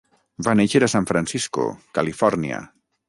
Va néixer a San Francisco, Califòrnia.